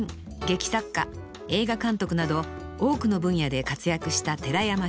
劇作家映画監督など多くの分野で活躍した寺山修司。